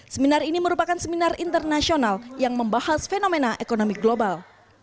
seminar ini merupakan seminar internasional yang membahas fenomena ekonomi global